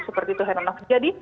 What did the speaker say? seperti itu herano jadi